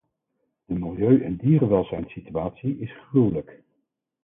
De milieu- en dierenwelzijnssituatie is gruwelijk.